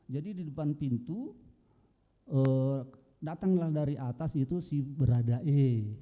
jadi di depan pintu datanglah dari atas itu si beradae